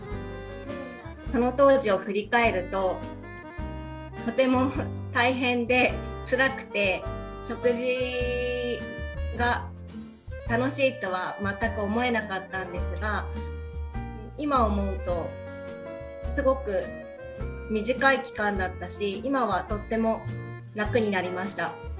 その当時を振り返るととても大変でつらくて食事が楽しいとは全く思えなかったんですが今思うとすごく短い期間だったし今はとっても楽になりました。